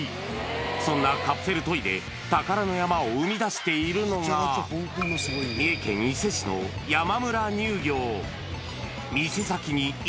そんなカプセルトイで宝の山を生み出しているのが、三重県伊勢市の山村乳業。